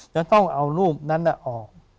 จะต้องเอารูปนั้นออก